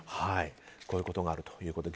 こういうことがあるということ。